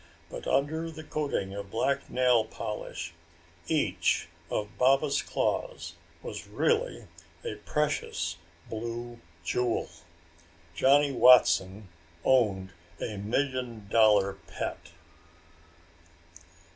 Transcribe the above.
But, under the coating of black nail polish, each of Baba's claws was really a precious blue jewel. Johnny Watson owned a million dollar pet!